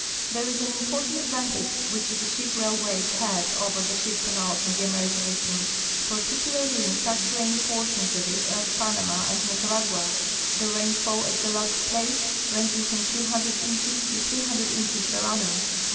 There is an important advantage Avhich the ship railAvays have OA'er the ship canals in the American isthmus, particularly in such rainy portions of it as Panama and Nicaragua, the rainfall at the latter place ranging from 200 inches to 300 inches per annum.